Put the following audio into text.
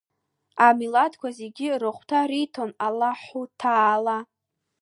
Амилаҭқәа зегьы рыхәҭаа риҭон Аллаҳуҭаала.